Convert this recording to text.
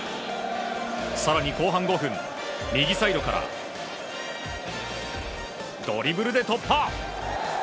更に後半５分、右サイドからドリブルで突破！